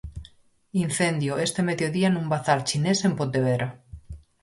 Incendio este mediodía nun bazar chinés en Pontevedra.